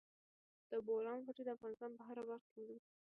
د بولان پټي د افغانستان په هره برخه کې موندل کېږي.